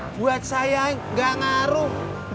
buat saya gak ngaruh